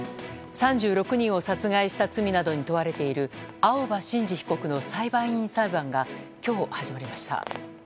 ３６人を殺害した罪などに問われている青葉真司被告の裁判員裁判が今日、始まりました。